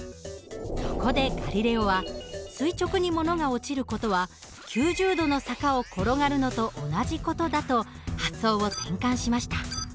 そこでガリレオは垂直に物が落ちる事は９０度の坂を転がるのと同じ事だと発想を転換しました。